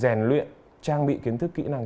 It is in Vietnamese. hành luyện trang bị kiến thức kỹ năng